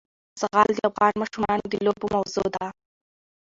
زغال د افغان ماشومانو د لوبو موضوع ده.